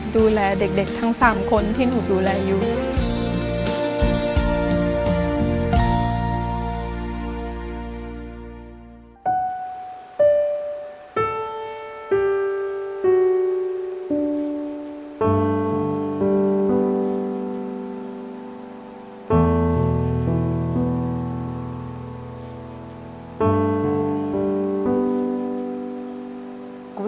ดูแลเด็กทั้ง๓คนที่หนูดูแลอยู่